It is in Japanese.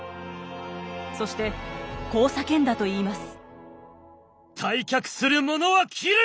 そしてこう叫んだといいます。